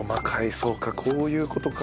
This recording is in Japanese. そうかこういう事か。